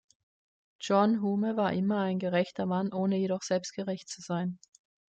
John Hume war immer ein gerechter Mann, ohne jedoch selbstgerecht zu sein.